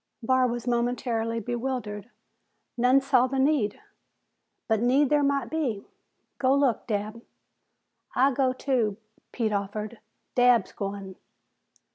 Barr was momentarily bewildered. "None saw the need." "But need there might be." "Go look, Dabb." "I'll gao, too," Pete offered. "Dabb's goin'."